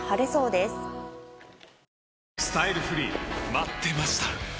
待ってました！